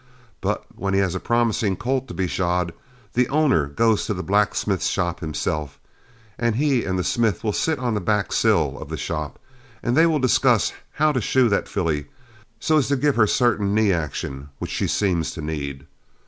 But when he has a promising colt to be shod, the owner goes to the blacksmith shop himself, and he and the smith will sit on the back sill of the shop, and they will discuss how to shoe that filly so as to give her certain knee action which she seems to need.